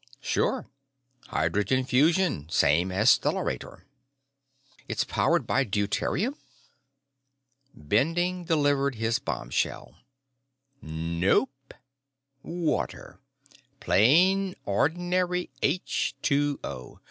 "Sure. Hydrogen fusion, same as the stellarator." "It's powered by deuterium?" Bending delivered his bombshell. "Nope. Water. Plain, ordinary aitch two oh.